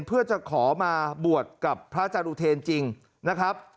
เพื่อจะขอมาบวชกับพระอาจารย์อุเทนจริงนะครับ